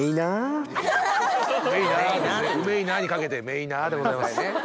「うめいな」にかけて「めいな」でございます。